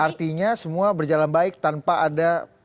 artinya semua berjalan baik tanpa ada